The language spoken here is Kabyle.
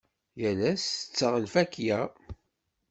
Yal ass tetteɣ lfakya.